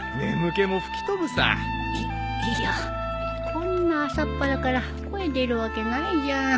こんな朝っぱらから声出るわけないじゃん